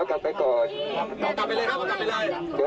ยังไม่รู้ยังตอบอะไรไม่ได้